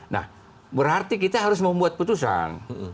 nah berarti kita harus membuat putusan